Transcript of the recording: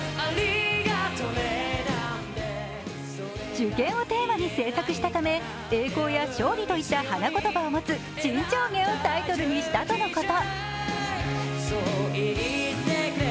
受験をテーマにした制作したため、栄光や勝利といった花言葉を持つ「沈丁花」をタイトルにしたとのこと。